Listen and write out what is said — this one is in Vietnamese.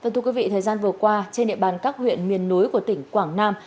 thưa quý vị thời gian vừa qua trên địa bàn các huyện miền núi của tỉnh quảng nam